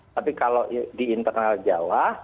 tapi kalau di internal jawa